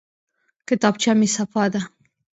کتابچه مې صفا ده.